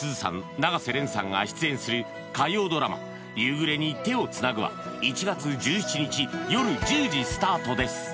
永瀬廉さんが出演する火曜ドラマ「夕暮れに、手をつなぐ」は１月１７日よる１０時スタートです